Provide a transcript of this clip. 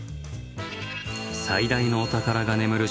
最大のお宝が眠る